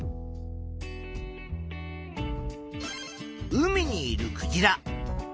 海にいるクジラ。